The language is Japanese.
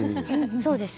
そうです。